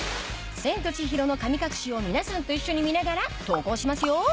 『千と千尋の神隠し』を皆さんと一緒に見ながら投稿しますよ